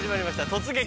「突撃！